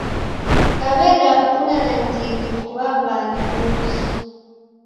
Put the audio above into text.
Kaw'edafuna nandighi kuw'aw'a ni muzu